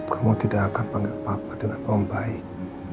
kamu tidak akan panggil papa dengan pembahik